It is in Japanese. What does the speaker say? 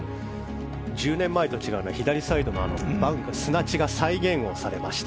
１０年前と違うのは左サイドの砂地が再現をされました。